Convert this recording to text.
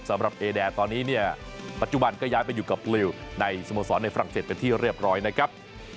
สำหรับเอแดนตอนนี้เนี่ยปัจจุบันก็ย้ายไปอยู่กับลิวในสโมสรในฝรั่งเศสเป็นที่เรียบร้อยนะครับ